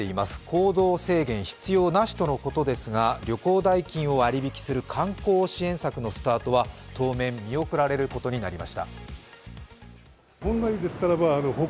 行動制限必要なしとのことですが、旅行代金を割引する観光支援策のスタートは当面見送られることになりました。